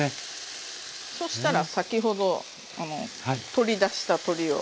そしたら先ほど取り出した鶏を。